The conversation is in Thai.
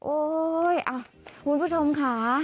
โอ๊ยคุณผู้ชมค่ะ